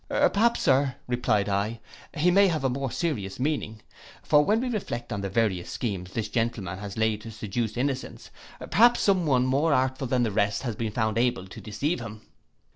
'—'Perhaps, Sir,' replied I, 'he may have a more serious meaning. For when we reflect on the various schemes this gentleman has laid to seduce innocence, perhaps some one more artful than the rest has been found able to deceive him.